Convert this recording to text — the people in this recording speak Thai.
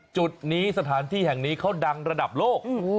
จุดนี้สถานที่แห่งนี้เขาดังระดับโลก